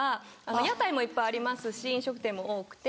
屋台もいっぱいありますし飲食店も多くて。